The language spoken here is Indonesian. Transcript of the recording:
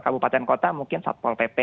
kabupaten kota mungkin satu pol pp